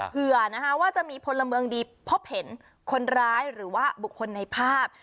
เผื่อนะคะว่าจะมีพลเมืองดีพบเห็นคนร้ายหรือว่าบุคคลในภาพ